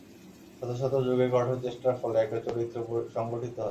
শত শত যুগের কঠোর চেষ্টার ফলে একটা চরিত্র গঠিত হয়।